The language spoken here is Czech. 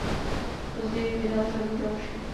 Později vydal řadu dalších.